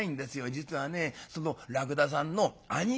実はねそのらくださんの兄貴